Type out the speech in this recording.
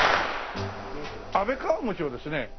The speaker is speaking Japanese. あべ川餅をですね